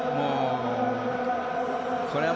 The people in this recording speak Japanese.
これは。